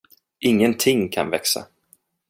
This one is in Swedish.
Ingenting kan växa.